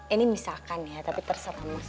ini misalkan ya tapi terserah mas